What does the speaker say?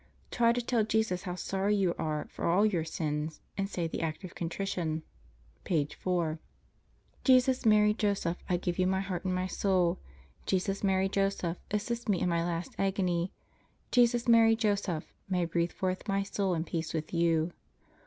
Try to tell Jesus how sorry you are for all your sins, and say the Act of Contrition (page 4). Jesus, Mary, Joseph, I give you my heart and my soul. Jesus, Mary, Joseph, assist me in my last agony. Jesus, Mary, Joseph, may I breathe forth my soul in peace with you.